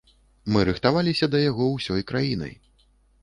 Мы рыхтаваліся да яго ўсёй краінай.